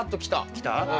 きた？